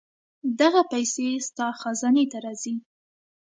دغه پېسې ستا خزانې ته راځي.